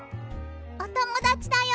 おともだちだよ。